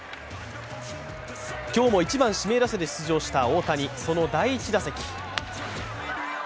今日も１番指名打者で出場した大谷その第１打席。